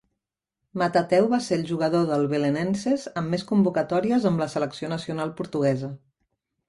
Matateu va ser el jugador del Belenenses amb més convocatòries amb la selecció nacional portuguesa.